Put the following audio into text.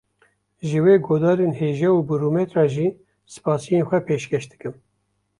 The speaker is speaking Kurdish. Ji we guhdarên hêja û bi rûmet re jî spasiyên xwe pêşkêş dikim